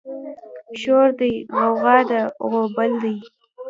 شور دی غوغه ده غوبل دی